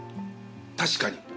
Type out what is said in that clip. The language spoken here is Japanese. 確かに。